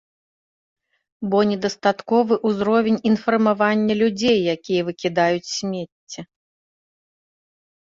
Бо недастатковы ўзровень інфармавання людзей, якія выкідаюць смецце.